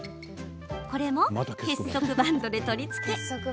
これも結束バンドで取り付け。